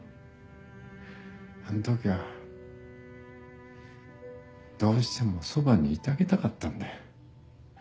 あの時はどうしてもそばにいてあげたかったんだよ。